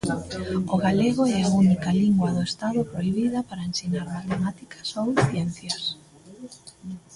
O galego é a única lingua do Estado prohibida para ensinar Matemáticas ou Ciencias.